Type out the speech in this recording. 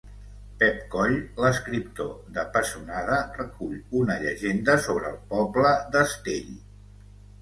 Pep Coll, l'escriptor de Pessonada, recull una llegenda sobre el poble d'Astell.